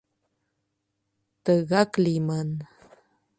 — Тыгак лийман.